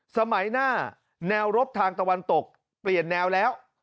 สมัยหน้าแนวรบทางตะวันตกเปลี่ยนแนวแล้ว